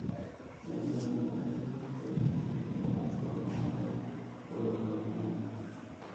Inicialmente la crisis fue percibida como un problema de sobreproducción.